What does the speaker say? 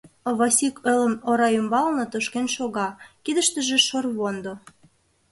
Васик олым ора ӱмбалне тошкен шога, кидыштыже шорвондо.